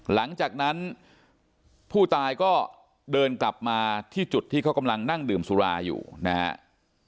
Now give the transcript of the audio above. หลังจากนั้นผู้ตายก็เดินกลับมาที่จุดที่เขากำลังนั่งดื่มสุราอยู่นะครับ